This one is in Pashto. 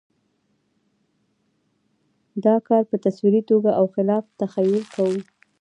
دا کار په تصوري توګه او خلاق تخیل کوو.